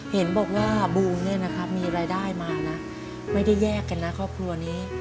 เห็นบอกว่าบูมเนี่ยนะครับมีรายได้มานะไม่ได้แยกกันนะครอบครัวนี้